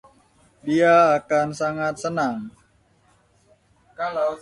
Dia akan sangat senang.